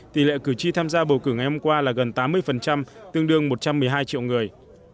tỷ lệ cử tri tham gia bầu cử ngày hôm qua là gần tám mươi tương đương một trăm một mươi hai triệu người